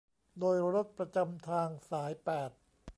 โดยสารรถประจำทางสายแปด